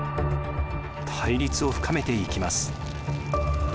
対立を深めていきます。